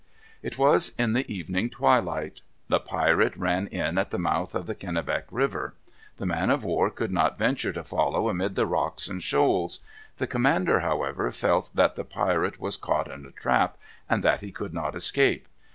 It was in the evening twilight. The pirate ran in at the mouth of the Kennebec River. The man of war could not venture to follow amid the rocks and shoals. The commander, however, felt that the pirate was caught in a trap and that he could not escape.